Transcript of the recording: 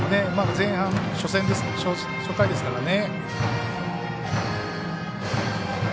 前半、初回ですからね。